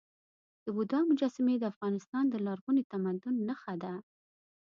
د بودا مجسمې د افغانستان د لرغوني تمدن نښه ده.